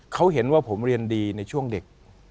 เขาเห็นว่าผมเรียนดีในช่วงเด็ก